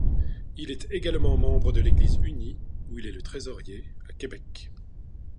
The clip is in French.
Il est également membre de l'église unie où il est le trésorier à Québec.